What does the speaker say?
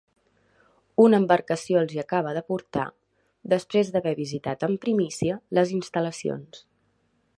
Una embarcació els hi acaba de portar, després d'haver visitat en primícia les instal·lacions.